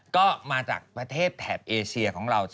ก็มาจากประเทศแถบเอเชียของเรา